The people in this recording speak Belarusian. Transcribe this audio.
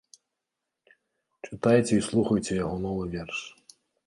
Чытайце і слухайце яго новы верш.